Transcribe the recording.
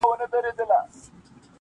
که منګول یې دی تېره مشوکه غټه-